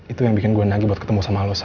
itu yang bikin gue nagih buat ketemu sama losa